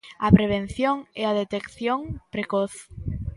A prevención e a detección precoz.